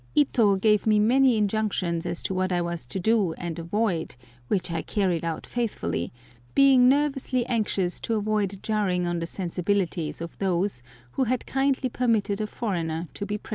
Ito gave me many injunctions as to what I was to do and avoid, which I carried out faithfully, being nervously anxious to avoid jarring on the sensibilities of those who had kindly permitted a foreigner to be present.